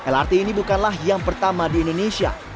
lrt ini bukanlah yang pertama di indonesia